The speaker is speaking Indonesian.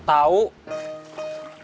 kalau willy aman